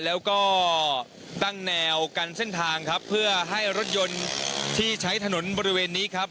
แล้วก็ตั้งแนวกันเส้นทางครับเพื่อให้รถยนต์ที่ใช้ถนนบริเวณนี้ครับ